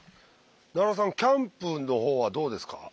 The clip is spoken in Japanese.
奈良さんキャンプの方はどうですか？